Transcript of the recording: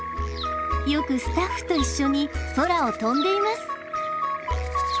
よくスタッフと一緒に空を飛んでいます。